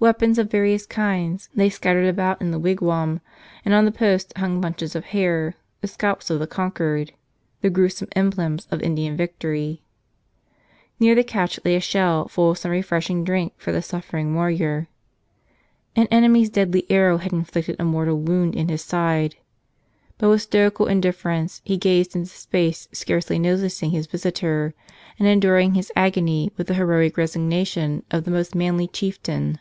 Weapons of various kinds lay scattered about in the wigwam; and on the posts hung bunches of hair, the scalps of the conquered, the grewsome emblems of Indian victory. Near the couch lay a shell full of some refreshing drink for the suffering warrior. An enemy's deadly arrow had inflicted a mortal wound in his side. 46 " Father , Forgive Them " But with stoical indifference he gazed into space, scarcely noticing his visitor, and enduring his agony with the heroic resignation of the manly chieftain.